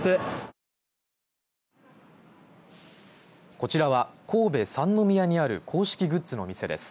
こちらは神戸・三宮にある公式グッズの店です。